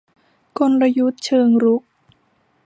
กลยุทธ์เชิงรุก